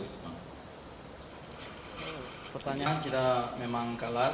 pertanyaan kita memang kalah